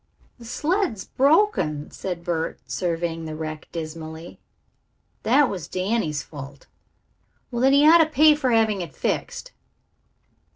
"The sled is broken," said Bert, surveying the wreck dismally. "That was Danny's fault." "Well, then, he ought to pay for having it fixed."